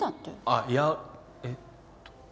あっいやえっと。